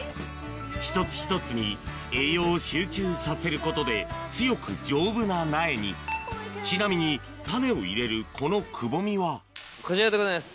一つ一つに栄養を集中させることで強く丈夫な苗にちなみに種を入れるこのくぼみはこちらでございます。